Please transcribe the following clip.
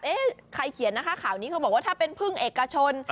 ใครเขียนนะคะข่าวนี้เขาบอกว่าถ้าเป็นพึ่งเอกชน